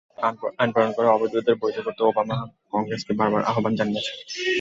আইন প্রণয়ন করে অবৈধদের বৈধ করতে ওবামা কংগ্রেসকে বারবার আহ্বান জানিয়েছেন।